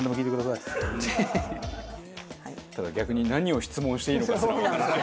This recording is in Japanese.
ただ逆に何を質問していいのかすらわからない。